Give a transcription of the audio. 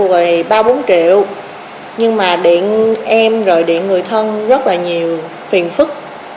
rồi ba bốn triệu nhưng mà điện em rồi điện người thân rất là nhiều phiền phức